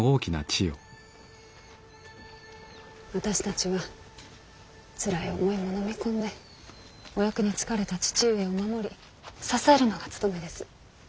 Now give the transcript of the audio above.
私たちはつらい思いものみ込んでお役につかれた父上を守り支えるのが務めです。